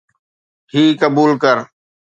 هي قبول ڪر.